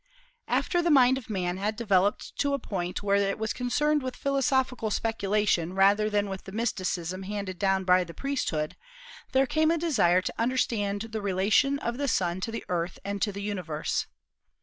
After the mind of man had developed to a point where it was concerned with philosophical speculation rather than with the mysticism handed down by the priesthood, there came a desire to understand the relation of the Sun to the Earth and to the universe.